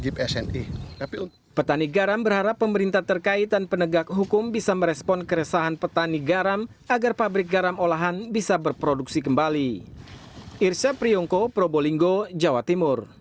petani garam berharap pemerintah terkait dan penegak hukum bisa merespon keresahan petani garam agar pabrik garam olahan bisa berproduksi kembali